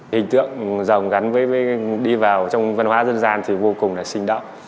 hình tượng rồng gắn với đi vào trong văn hóa dân gian thì vô cùng là sinh động